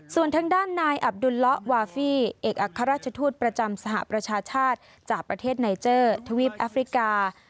ส่วนทางด้านนายอับดุลละวาฟี่เอกอัครราชทูตประจำสหประชาชาติจากประเทศไนเจอร์ทวีปแอฟริกา